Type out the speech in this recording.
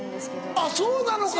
あっそうなのか！